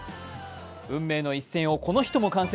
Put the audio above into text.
運命の一戦をこの人も観戦。